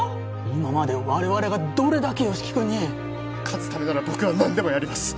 今まで我々がどれだけ吉木君に勝つためなら僕は何でもやります